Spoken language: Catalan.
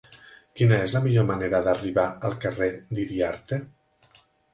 Quina és la millor manera d'arribar al carrer d'Iriarte?